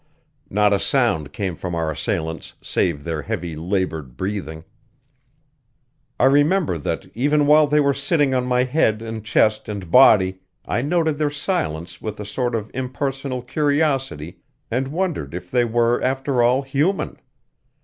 Not a sound came from our assailants save their heavy, labored breathing. I remember that, even while they were sitting on my head and chest and body, I noted their silence with a sort of impersonal curiosity and wondered if they were, after all, human.